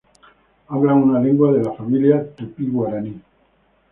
Hablan una lengua de la familia tupí-guaraní.